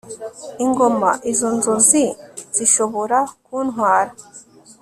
ingoma izo nzozi zishobora kuntwara